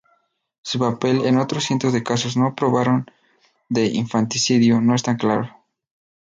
Su papel en otros cientos de casos no probados de infanticidio no está claro.